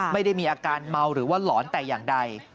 ไม่ได้มีอาการเมาหรือว่าหลอนแต่อย่างใด